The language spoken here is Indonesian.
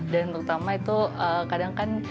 dan terutama itu kadang kan